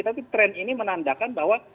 tapi tren ini menandakan bahwa